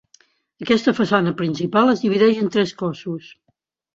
Aquesta façana principal es divideix en tres cossos.